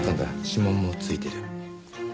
指紋もついてる。